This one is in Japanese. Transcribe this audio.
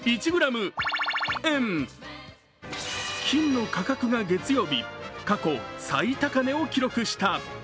金の価格が月曜日、過去最高値を記録した。